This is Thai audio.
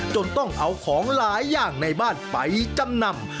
จนต้องเอาของหลายอย่างในบ้านไปจำนำ